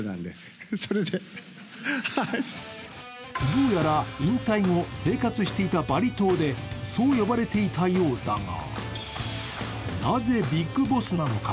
どうやら引退後、生活していたバリ島でそう呼ばれていたようだが、なぜビッグボスなのか。